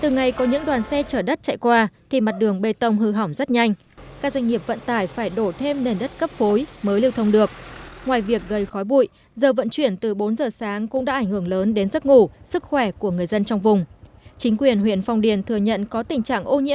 nói chung là xe chạy từ bốn giờ rưỡi sáng lại chạy tới sáu giờ chiều thuyết kế ngầm mình nghỉ chạy